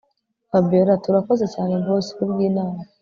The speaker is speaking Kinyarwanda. Fabiora atiurakoze cyane boss kubwinama